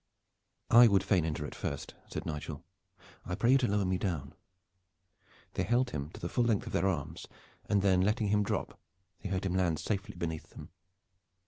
"I would fain enter it first," said Nigel. "I pray you to lower me down." They held him to the full length of their arms and then letting him drop they heard him land safely beneath them.